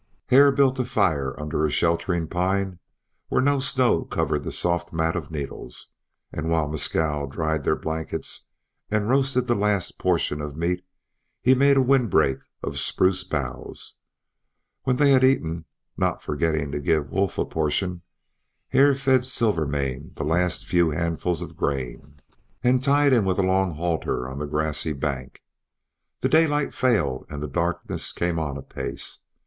Hare built a fire under a sheltering pine where no snow covered the soft mat of needles, and while Mescal dried the blankets and roasted the last portion of meat he made a wind break of spruce boughs. When they had eaten, not forgetting to give Wolf a portion, Hare fed Silvermane the last few handfuls of grain, and tied him with a long halter on the grassy bank. The daylight failed and darkness came on apace.